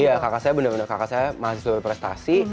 iya kakak saya bener bener kakak saya masih sudah berprestasi